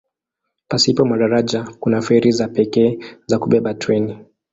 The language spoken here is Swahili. Pasipo madaraja kuna feri za pekee za kubeba treni.